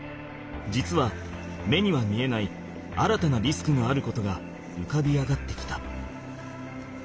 実は目には見えない新たなリスクがあることが浮かび上がってきた。